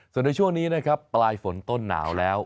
ส่วนในช่วงนี้นะครับปลายฝนต้นหนาวแล้ว